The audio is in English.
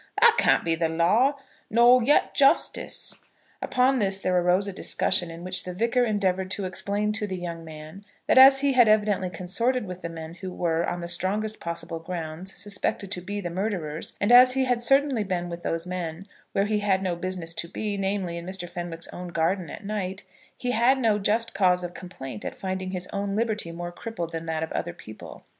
That can't be law, nor yet justice." Upon this there arose a discussion in which the Vicar endeavoured to explain to the young man that as he had evidently consorted with the men who were, on the strongest possible grounds, suspected to be the murderers, and as he had certainly been with those men where he had no business to be, namely, in Mr. Fenwick's own garden at night, he had no just cause of complaint at finding his own liberty more crippled than that of other people.